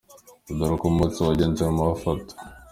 Dore uko umunsi wagenze mu mafoto:.